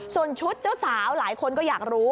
ส่วนชุดเจ้าสาวหลายคนก็อยากรู้